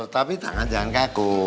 tapi jangan kaku